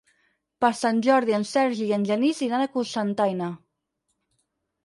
Per Sant Jordi en Sergi i en Genís iran a Cocentaina.